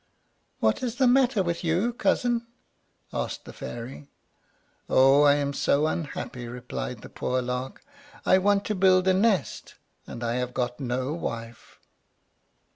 "What is the matter with you, cousin?" asked the Fairy. "Oh, I am so unhappy," replied the poor Lark; "I want to build a nest, and I have got no wife."